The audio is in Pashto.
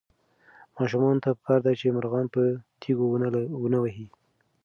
ماشومانو ته پکار ده چې مرغان په تیږو ونه ولي.